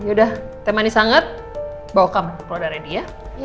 yaudah teh manis anget bawa kamu kalau udah ready ya